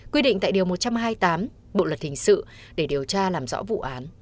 quy định tại điều một trăm hai mươi tám bộ luật hình sự để điều tra làm rõ vụ án